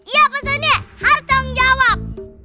iya pak sony harus bertanggung jawab